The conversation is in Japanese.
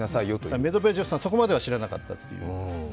メドベージェフさん、そこまでは知らなかったと。